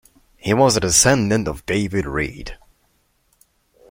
He was a descendant of David Reed.